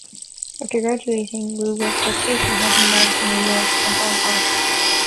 After graduating, Woo worked at Chase Manhattan Bank in New York and Hong Kong.